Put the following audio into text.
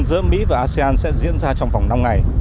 giữa mỹ và asean sẽ diễn ra trong vòng năm ngày